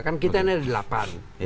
kan kita ini ada delapan